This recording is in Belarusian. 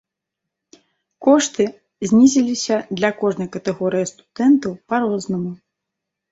Кошты знізіліся для кожнай катэгорыі студэнтаў па-рознаму.